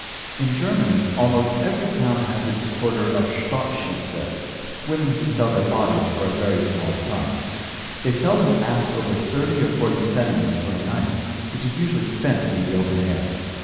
In Germany almost every town has its quarter of "Stadt Schieze": women who sell their bodies for a very small sum. They seldom ask over thirty or forty pfennigs for a night, which is usually spent in the open air.